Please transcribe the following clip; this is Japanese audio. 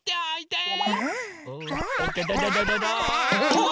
うわ！